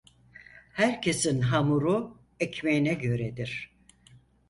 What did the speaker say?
Herkesin hamuru ekmeğine göredir.